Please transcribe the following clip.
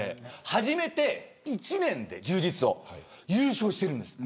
始めて１年で柔術を優勝してるんです。